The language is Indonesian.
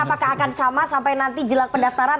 apakah akan sama sampai nanti jelang pendaftaran